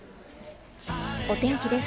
お天気です。